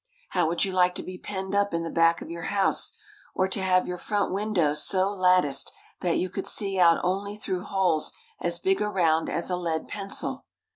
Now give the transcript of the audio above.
How would you like to be penned up in the back of your house, or to have your front windows so latticed that you could see out only through holes as big around as a lead pencil?